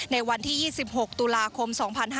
ในวันที่๒๖ตุลาคม๒๕๕๙